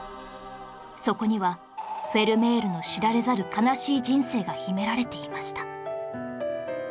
そこにはフェルメールの知られざる悲しい人生が秘められていました